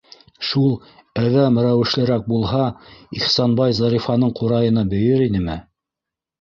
Шул әҙәм рәүешлерәк булһа, Ихсанбай Зарифаның ҡурайына бейер инеме?